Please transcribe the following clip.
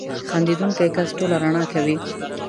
• خندېدونکی کس ټولنه رڼا کوي.